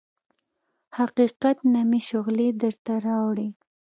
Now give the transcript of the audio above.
حقیقت نه مې شغلې درته راوړي